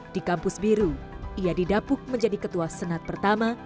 di kampus biru ia didapuk menjadi ketua senat pertama